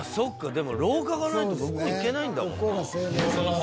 でも廊下がないと向こう行けないんだもんな。